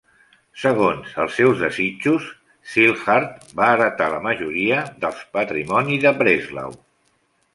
Segons els seus desitjos, Zillhardt va heretar la majoria del patrimoni de Breslau.